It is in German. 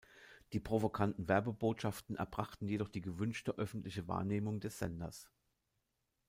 Die provokanten Werbebotschaften erbrachten jedoch die gewünschte öffentliche Wahrnehmung des Senders.